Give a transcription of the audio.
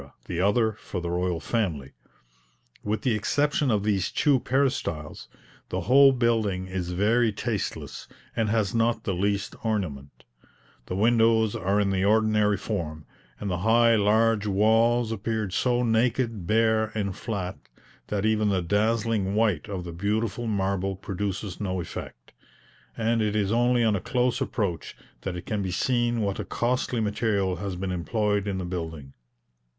the other for the royal family. With the exception of these two peristyles, the whole building is very tasteless, and has not the least ornament; the windows are in the ordinary form; and the high large walls appear so naked, bare, and flat, that even the dazzling white of the beautiful marble produces no effect; and it is only on a close approach that it can be seen what a costly material has been employed in the building.